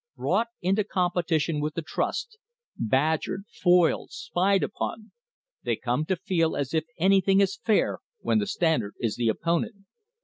Brought into competition with the trust, badgered, foiled, spied upon, they come to feel as if anything is fair when the Standard is the opponent.